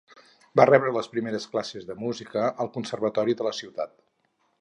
Va rebre les primeres classes de música al conservatori de la ciutat.